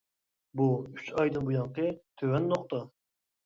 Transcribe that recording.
بۇ ئۈچ ئايدىن بۇيانقى تۆۋەن نۇقتا.